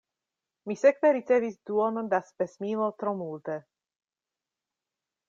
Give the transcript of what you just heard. Mi sekve ricevis duonon da spesmilo tro multe.